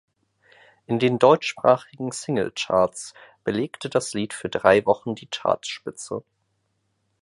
In den deutschsprachigen Singlecharts belegte das Lied für drei Wochen die Chartspitze.